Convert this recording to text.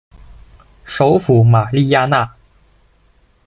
首府玛利亚娜。